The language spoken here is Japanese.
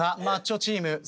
マッチョチーム